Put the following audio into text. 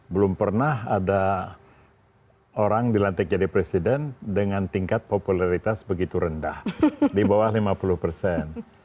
belum pernah ada orang dilantik jadi presiden dengan tingkat popularitas begitu rendah di bawah lima puluh persen